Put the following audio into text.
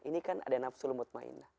ini kan ada nafsu lemut ma'inah